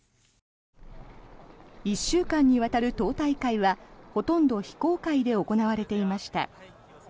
１週間にわたる党大会はほとんど非公開で行われていました。